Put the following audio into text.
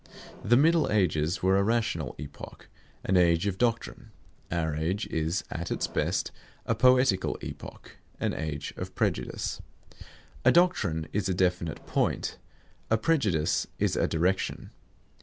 The Middle Ages were a rational epoch, an age of doctrine. Our age is, at its best, a poetical epoch, an age of prejudice. A doctrine is a definite point; a prejudice is a direction.